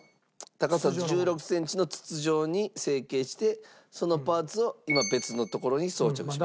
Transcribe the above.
高さ１６センチの筒状に成型してそのパーツを今別のところに装着しました。